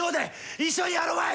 一緒にやろまい！